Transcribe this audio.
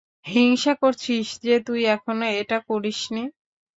হিংসা করছিস যে তুই এখনও এটা করিসনি?